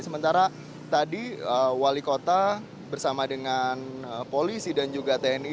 sementara tadi wali kota bersama dengan polisi dan juga tni